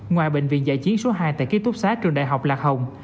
ngoài bệnh viện giải chiến số hai tại ký túc xá trường đại học lạc hồng